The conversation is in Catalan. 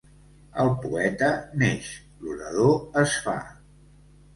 El poeta neix, l'orador es fa.